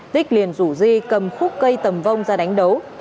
tích liền rủ di cầm khúc cây tầm vong ra đánh đấu